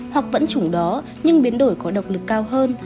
hoặc vẫn chủng đó nhưng biến đổi có độc lực cao hơn